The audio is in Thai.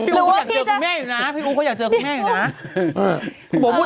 พี่อุ๊บก็อยากเจอคุณแม่อยู่นะ